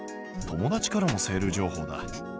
友達からもセール情報だ。